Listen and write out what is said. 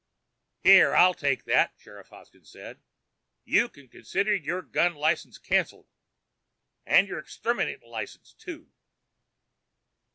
"Here, I'll take that," Sheriff Hoskins said. "You can consider your gun license canceled and your exterminatin' license, too."